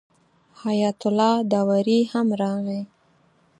حیات الله داوري هم راغی.